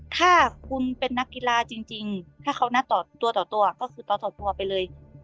ถ้าคุณเป็นนักกีฬาจริงถ้าเขานัดต่อตัวต่อตัวก็คือต่อตัวไปเลย